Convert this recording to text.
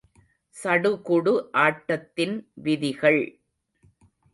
சடுகுடு ஆட்டத்தின் விதிகள் ….